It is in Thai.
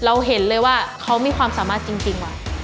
เราเห็นเลยว่าเขามีความสามารถจริงว่ะ